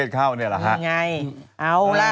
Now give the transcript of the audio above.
ในทะเลเคอริเวียนและก็อเมริกากลางค่ะ